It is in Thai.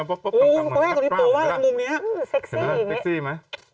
ไม่ต้องพูดบ้างได้ไหม